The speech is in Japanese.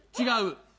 違う。